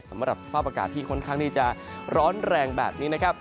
สำหรับสภาพอากาศที่ค่อนข้างที่จะร้อนแรงแบบนี้นะครับ